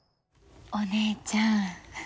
お姉ちゃん。